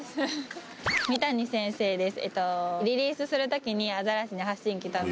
三谷先生です